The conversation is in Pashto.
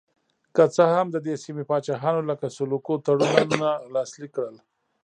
که څه هم د دې سیمې پاچاهانو لکه سلوکو تړونونه لاسلیک کړل.